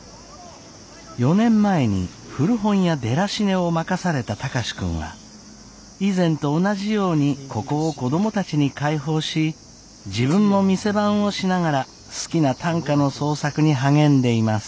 ４年前に古本屋デラシネを任された貴司君は以前と同じようにここを子供たちに開放し自分も店番をしながら好きな短歌の創作に励んでいます。